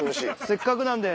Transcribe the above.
せっかくなんで。